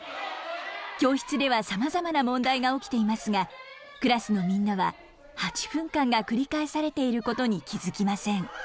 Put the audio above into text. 教室ではさまざまな問題が起きていますがクラスのみんなは８分間が繰り返されていることに気付きません。